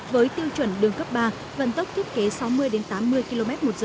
với tiêu chuẩn đường cấp ba vận tốc thiết kế sáu mươi tám mươi km một giờ